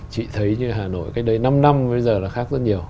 chị thấy như hà nội cách đây năm năm bây giờ là khác rất nhiều